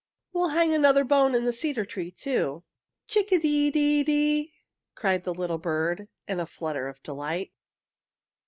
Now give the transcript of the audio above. We'll hang another bone in the cedar tree, too!" "Chick a dee dee dee!" cried the little bird in a flutter of delight.